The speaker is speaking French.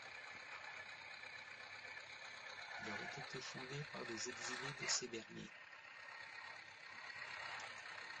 Il aurait été fondé par des exilés de ce dernier.